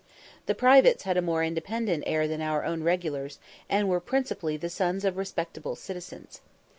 The privates had a more independent air than our own regulars, and were principally the sons of respectable citizens.